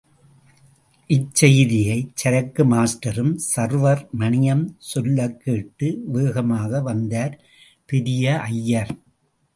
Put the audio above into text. இச் செய்தியைச் சரக்கு மாஸ்டரும் சர்வர் மணியும் சொல்லக் கேட்டு, வேகமாக வந்தார் பெரிய ஐயர்.